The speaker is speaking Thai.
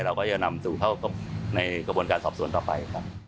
เราก็จะนำสู่เข้าในกระบวนการสอบสวนต่อไปครับ